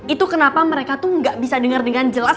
itu kenapa mereka tuh gak bisa denger dengan jelas